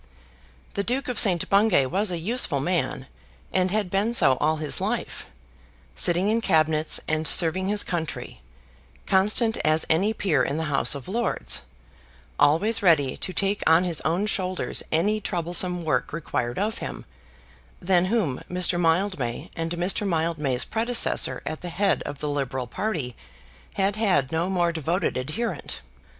The Duke of St. Bungay was a useful man, and had been so all his life, sitting in Cabinets and serving his country, constant as any peer in the House of Lords, always ready to take on his own shoulders any troublesome work required of him, than whom Mr. Mildmay, and Mr. Mildmay's predecessor at the head of the liberal party, had had no more devoted adherent.